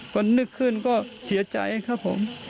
พอนึกขึ้นก็เสียใจครับผม